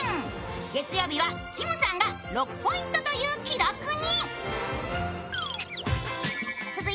月曜日はきむさんが６ポイントという記録に。